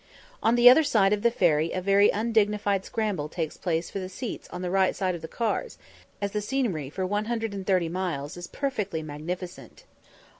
On the other side of the ferry a very undignified scramble takes place for the seats on the right side of the cars, as the scenery for 130 miles is perfectly magnificent.